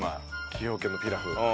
崎陽軒のピラフ。